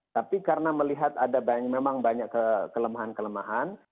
tapi karena melihat ada memang banyak kelemahan kelemahan